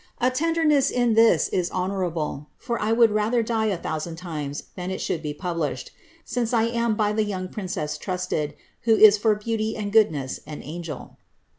A tenderness in this is honourable, for I would rather die a thousand times than it should be published, since I am by the young princess trusted, who is for beauty and goodness an angel."